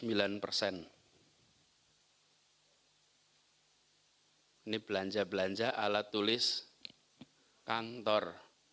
ini belanja belanja alat tulis kantor